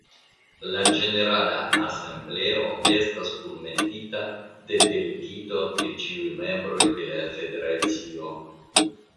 La ĝenerala asembleo estas kunmetita de delegito de ĉiuj membroj de la federacio.